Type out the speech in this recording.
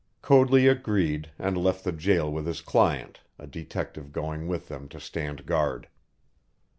Coadley agreed, and left the jail with his client, a detective going with them to stand guard.